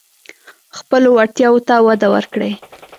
خپلو وړتیاوو ته وده ورکړئ.